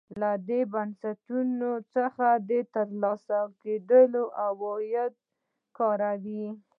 له دې بنسټونو څخه ترلاسه کېدونکي عواید وکاروي.